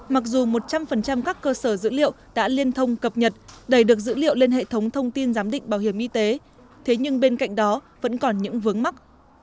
mặc dù một trăm linh các cơ sở dữ liệu đã liên thông cập nhật đầy được dữ liệu lên hệ thống thông tin giám định bảo hiểm y tế thế nhưng bên cạnh đó vẫn còn những vướng mắt